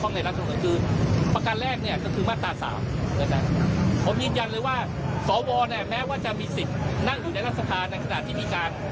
นั่งอยู่ในรัฐศาสตร์ในขณะที่มีการ